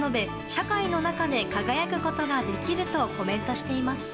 社会の中で輝くことができるとコメントしています。